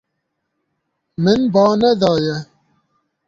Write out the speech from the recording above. Min ba nedaye.